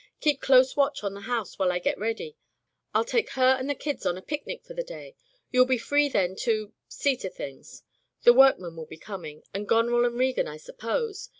Keep close watch on the house while I get ready. FU take her and the kids on a picnic for die day. You'll be free then to — ^see to things. The workmen will becoming — and Goneril and Regan, I suppose.